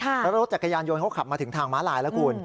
แล้วรถจักรยานยนต์เขาขับมาถึงทางม้าลายแล้วคุณ